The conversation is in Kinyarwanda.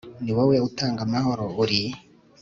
ni wowe utanga amahoro, uri